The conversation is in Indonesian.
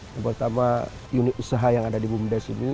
terutama unit usaha yang ada di bumdes ini